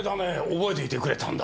覚えていてくれたんだ。